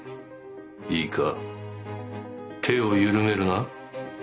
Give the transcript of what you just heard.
いいか手を緩めるな。